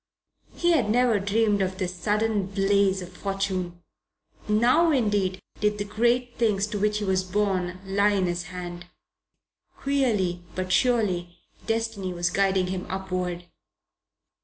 He had never dreamed of this sudden blaze of Fortune. Now, indeed, did the Great Things to which he was born lie to his hand. Queerly but surely Destiny was guiding him upward.